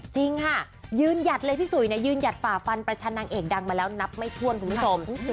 จริงค่ะยืนหยัดเลยพี่สุยยืนหยัดฝ่าฟันประชันนางเอกดังมาแล้วนับไม่ถ้วนคุณผู้ชม